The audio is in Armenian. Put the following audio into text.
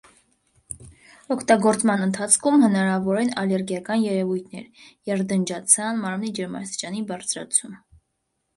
Օգտագործման ընթացքում հնարավոր են ալերգիական երևույթներ (եդնջացան, մարմնի ջերմաստիճանի բարձրացում)։